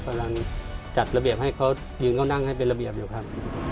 กำลังจัดระเบียบให้เขายืนเขานั่งให้เป็นระเบียบอยู่ครับ